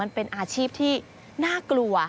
มันเป็นอาชีพที่น่ากลัว